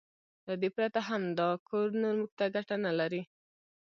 له دې پرته هم دا کور نور موږ ته ګټه نه لري.